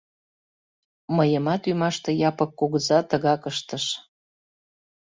Мыйымат ӱмаште Япык кугыза тыгак ыштыш.